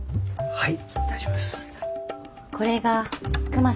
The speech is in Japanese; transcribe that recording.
はい。